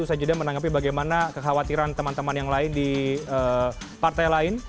usai jeda menanggapi bagaimana kekhawatiran teman teman yang lain di partai lain